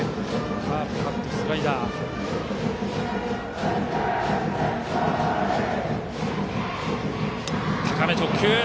カーブ、カットスライダーがある滝沢。